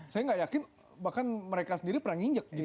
saya nggak yakin bahkan mereka sendiri pernah nginjek gitu